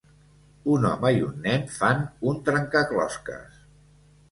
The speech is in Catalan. Un home i un nen fan un trencaclosques.